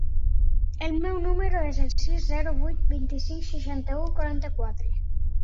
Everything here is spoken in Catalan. El meu número es el sis, zero, vuit, vint-i-cinc, seixanta-u, quaranta-quatre.